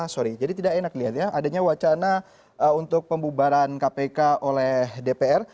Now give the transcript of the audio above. sorry jadi tidak enak lihat ya adanya wacana untuk pembubaran kpk oleh dpr